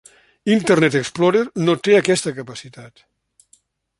Internet Explorer no té aquesta capacitat.